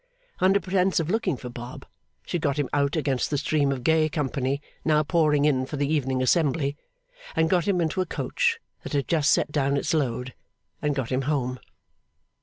Under pretence of looking for Bob, she got him out against the stream of gay company now pouring in for the evening assembly, and got him into a coach that had just set down its load, and got him home.